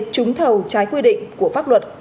trúng thầu trái quy định của pháp luật